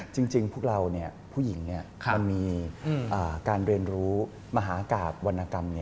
จริงพวกเราผู้หญิงมันมีการเรียนรู้มหากราบวรรณกรรม